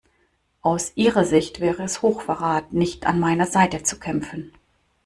Aus ihrer Sicht wäre es Hochverrat nicht an meiner Seite zu kämpfen.